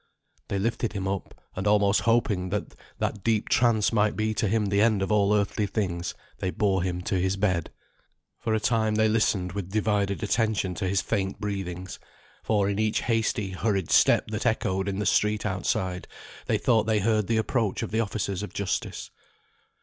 They lifted him up, and almost hoping that that deep trance might be to him the end of all earthly things, they bore him to his bed. For a time they listened with divided attention to his faint breathings; for in each hasty hurried step that echoed in the street outside, they thought they heard the approach of the officers of justice.